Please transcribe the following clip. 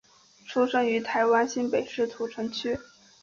出生于台湾新北市土城区。